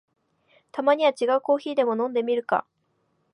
たまには違うコーヒーでも飲んでみるか